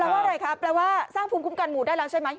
ว่าอะไรคะแปลว่าสร้างภูมิคุ้มกันหมู่ได้แล้วใช่ไหม